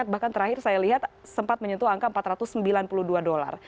bahkan terakhir saya lihat sempat menyentuh angka empat ratus sembilan puluh dua dolar